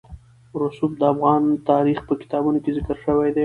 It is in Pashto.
رسوب د افغان تاریخ په کتابونو کې ذکر شوی دي.